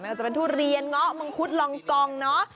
มันก็จะเป็นทุเรียนงอกมังคุดรองกองเนาะ